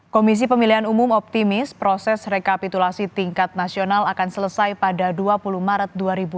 komisi pemilihan umum optimis proses rekapitulasi tingkat nasional akan selesai pada dua puluh maret dua ribu dua puluh